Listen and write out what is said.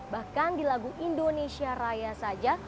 bahkan di lagu indonesia raya saja